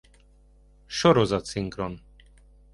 Sorozat szinkron